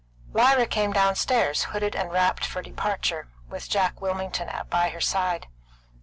Lyra came downstairs, hooded and wrapped for departure, with Jack Wilmington by her side.